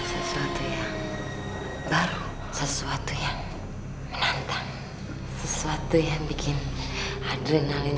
sebelumnya saya minta maaf sama pak rt